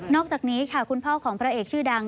นอกจากนี้คุณพ่อของผู้ตำรวมชื่อดัง